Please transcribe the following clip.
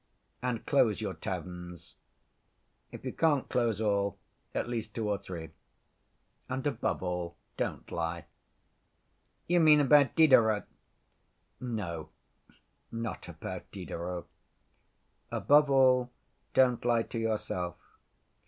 And close your taverns. If you can't close all, at least two or three. And, above all—don't lie." "You mean about Diderot?" "No, not about Diderot. Above all, don't lie to yourself.